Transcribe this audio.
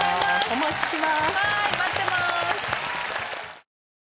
お持ちします。